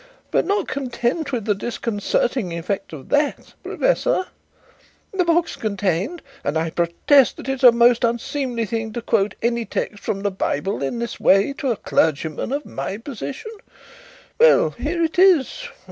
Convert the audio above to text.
But not content with the disconcerting effect of that, professor, the box contained and I protest that it's a most unseemly thing to quote any text from the Bible in this way to a clergyman of my position well, here it is.